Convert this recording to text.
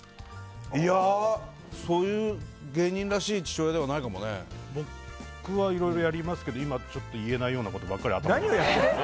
いや、そういう芸人らしい父親ではないかもね。僕はいろいろやりますけど今ちょっと言えないようなことばかり頭に浮かんでて。